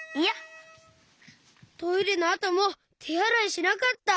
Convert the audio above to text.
トイレのあともてあらいしなかった。